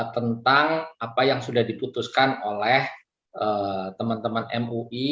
tentang apa yang sudah diputuskan oleh teman teman mui